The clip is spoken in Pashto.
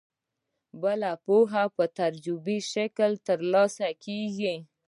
بله پوهه په تجربوي شکل ترلاسه کیږي.